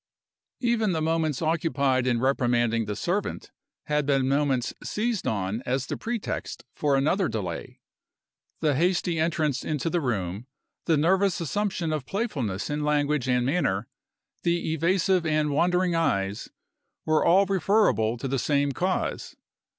Even the moments occupied in reprimanding the servant had been moments seized on as the pretext for another delay. The hasty entrance into the room, the nervous assumption of playfulness in language and manner, the evasive and wandering eyes, were all referable to the same cause.